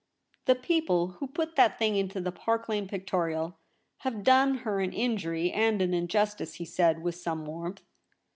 * The people who put that thing into the Park Lane Pictorial have done her an injury and an injustice,' he said, with some warmth.